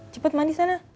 cepet mandi sana